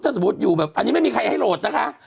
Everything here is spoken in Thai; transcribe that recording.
ถ้าสมมุติอยู่แบบอันนี้ไม่มีใครให้โหลดนะคะ